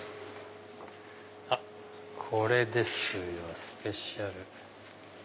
あっこれですよスペシャル。